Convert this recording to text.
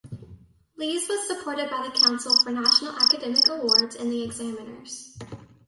Lees was supported by the Council for National Academic Awards and the examiners.